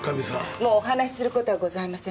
もうお話することはございません。